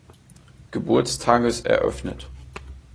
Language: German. Geburtstages eröffnet.